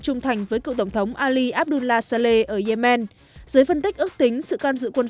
trung thành với cựu tổng thống ali abdullah sale ở yemen dưới phân tích ước tính sự can dự quân